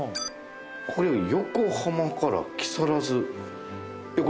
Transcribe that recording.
これ横浜から木更津。